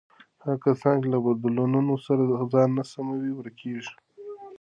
هغه کسان چې له بدلونونو سره ځان نه سموي، ورکېږي.